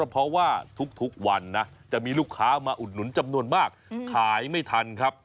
เพราะว่าทุกวันนะจะมีลูกค้ามาอุดหนุนจำนวนมากขายไม่ทันครับ